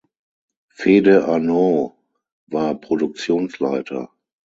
Fede Arnaud war Produktionsleiter.